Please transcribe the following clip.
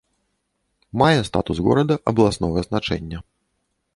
Мае статус горада абласнога значэння.